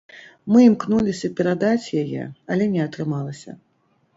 Мы імкнуліся перадаць яе, але не атрымалася.